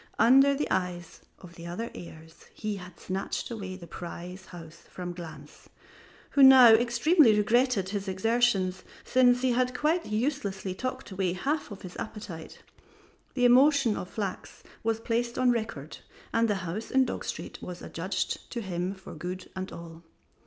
Under the eyes of the other heirs he had snatched away the prize house from Glanz, who now extremely regretted his exertions, since he had quite uselessly talked away half of his appetite. The emotion of Flachs was placed on record and the house in Dog Street was adjudged to him for good and all.